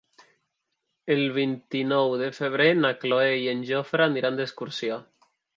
El vint-i-nou de febrer na Cloè i en Jofre aniran d'excursió.